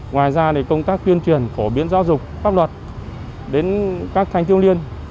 ngoài ra công tác chuyên truyền khổ biến giáo dục pháp luật đến các thanh thiếu niên